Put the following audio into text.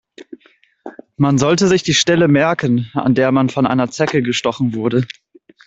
Man sollte sich die Stelle merken, an der man von einer Zecke gestochen wurde.